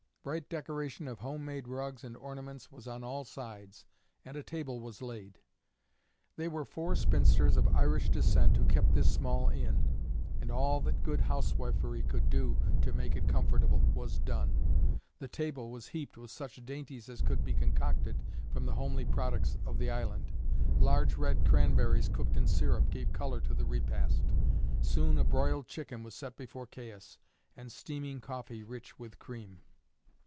Bright decoration of home made rugs and ornaments was on all sides, and a table was laid. They were four spinsters of Irish descent who kept this small inn, and all that good housewifery could do to make it comfortable was done. The table was heaped with such dainties as could be concocted from the homely products of the island; large red cranberries cooked in syrup gave colour to the repast. Soon a broiled chicken was set before Caius, and steaming coffee rich with cream.